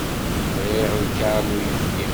Bɣiɣ lkaṛ n uyefki.